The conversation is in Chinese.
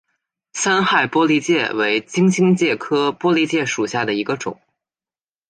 三害玻璃介为金星介科玻璃介属下的一个种。